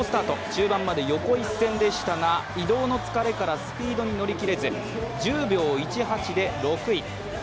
中盤まで横一線でしたが、移動の疲れから、スピードに乗りきれず１０秒１８で６位。